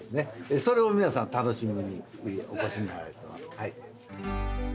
それを皆さん楽しみにお越しになられてますはい。